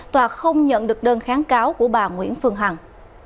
tòa không nhận được đơn kháng cáo của bà nguyễn phương hằng